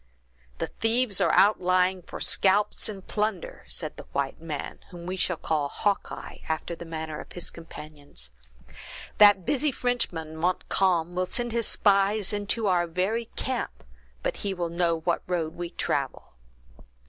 "The thieves are outlying for scalps and plunder," said the white man, whom we shall call Hawkeye, after the manner of his companions. "That busy Frenchman, Montcalm, will send his spies into our very camp, but he will know what road we travel!"